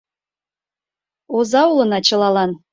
Оза улына чылалан.